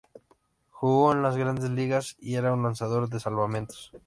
Jugó en las Grandes Ligas y era un lanzador de salvamentos.